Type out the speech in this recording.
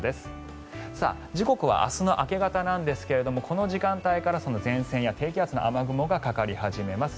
時刻は明日の明け方なんですがこの時間帯から前線や低気圧の雨雲がかかり始めます。